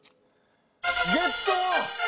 ゲット。